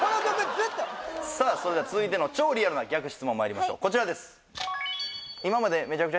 ずっとさあそれでは続いての超リアルな逆質問まいりましょうこちらです